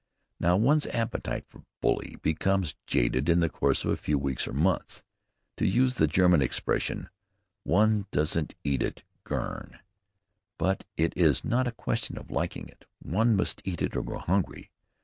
Now, one's appetite for "bully" becomes jaded in the course of a few weeks or months. To use the German expression one doesn't eat it gern. But it is not a question of liking it. One must eat it or go hungry.